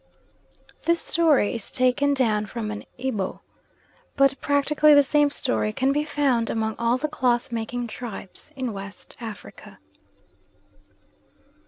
This story is taken down from an Eboe, but practically the same story can be found among all the cloth making tribes in West Africa.